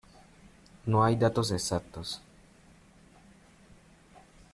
No hay datos exactos.